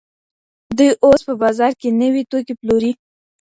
دوی اوس په بازار کي نوي توکي پلوري.